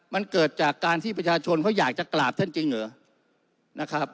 มันเกิดจากการที่ประชาชนเขาอยากจะกราบท่านจริงเหรอนะครับ